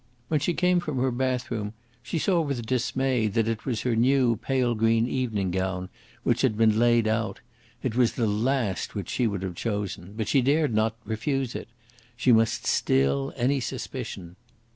When she came from her bathroom she saw with dismay that it was her new pale green evening gown which had been laid out. It was the last which she would have chosen. But she dared not refuse it. She must still any suspicion.